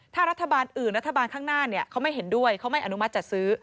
ถ้ารัฐบาลอื่นรัฐบาลข้างหน้าเขาไม่เห็นด้วยเขาไม่อนุมัติจัดซื้อ